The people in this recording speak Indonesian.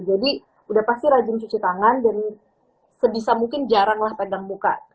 jadi udah pasti rajin cuci tangan dan sedisa mungkin jaranglah pegang muka